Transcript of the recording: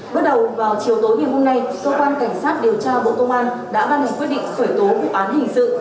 bước đầu vào chiều tối ngày hôm nay cơ quan cảnh sát điều tra bộ công an đã ban hành quyết định khởi tố vụ án hình sự